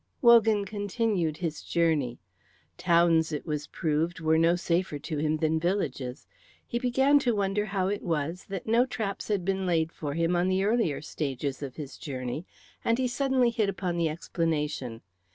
Wogan continued his journey. Towns, it was proved, were no safer to him than villages. He began to wonder how it was that no traps had been laid for him on the earlier stages of his journey, and he suddenly hit upon the explanation.